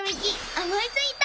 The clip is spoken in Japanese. おもいついた！